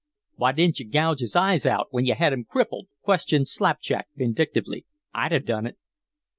"Why didn't you gouge his eyes out when you had him crippled?" questioned Slapjack, vindictively. "I'd 'a' done it."